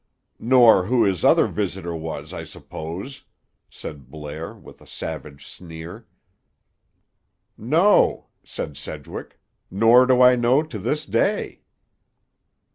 "Nor who his other visitor was, I suppose!" said Blair with a savage sneer. "No," said Sedgwick, "nor do I know to this day."